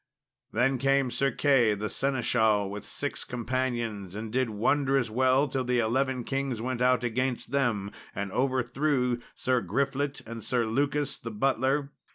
Then came Sir Key the seneschal with six companions, and did wondrous well, till the eleven kings went out against them and overthrew Sir Griflet and Sir Lucas the butler.